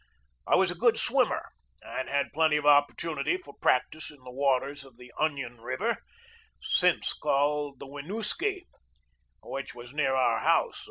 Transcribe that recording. I was a good swimmer and had plenty of opportunity for practice in the waters of the Onion River, since called the Winooski, which was near our house.